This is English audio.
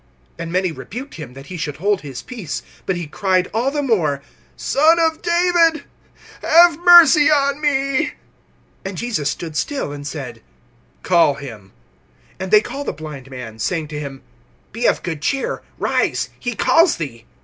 (48)And many rebuked him, that he should hold his peace. But he cried all the more: Son of David, have mercy on me. (49)And Jesus stood still, and said: Call him. And they call the blind man, saying to him: Be of good cheer; rise, he calls thee.